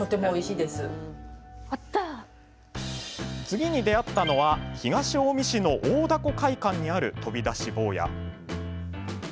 次に出会ったのは東近江市の大凧会館にある飛び出し坊や。